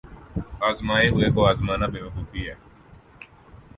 آزمائے ہوئے کو آزمانا بے وقوفی ہے۔